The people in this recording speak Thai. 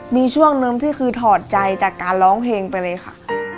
มีช่วงนึงที่คือถอดใจจากการร้องเพลงไปเลยค่ะ